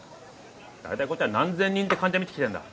大体こっちは何千人って患者診てきてんだ。